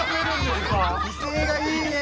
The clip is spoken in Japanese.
⁉威勢がいいねぇ！